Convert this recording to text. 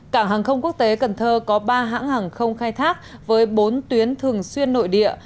cảng hàng không quốc tế cần thơ có ba hãng hàng không khai thác với bốn tuyến thường xuyên nội địa